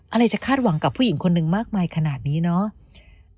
อะไรจะคาดหวังกับผู้หญิงคนหนึ่งมากมายขนาดนี้เนาะ